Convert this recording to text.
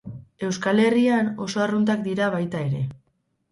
Euskal Herrian oso arruntak dira baita ere.